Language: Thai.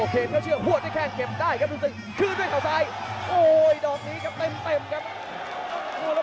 พอเข้าเชื่อหัวได้แค่เก็บได้ครับดูซิคืดด้วยข่าวซ่ายโอ้ยดอกนี้ครับเต็มครับ